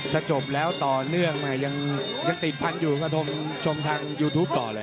ถ้าจบแล้วต่อเนื่องมายังติดพันธุ์อยู่ก็ชมทางยูทูปต่อเลย